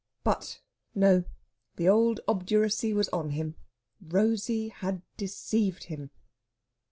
But no; the old obduracy was on him. Rosey had deceived him!